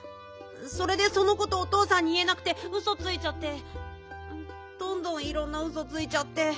それでそのことおとうさんにいえなくてウソついちゃってどんどんいろんなウソついちゃって。